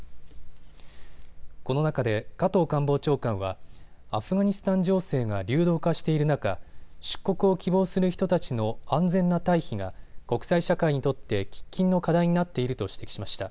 この中で加藤官房長官はアフガニスタン情勢が流動化している中、出国を希望する人たちの安全な退避が国際社会にとって喫緊の課題になっていると指摘しました。